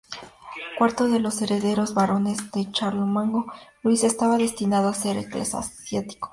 Cuarto de los herederos varones de Carlomagno, Luis estaba destinado a ser eclesiástico.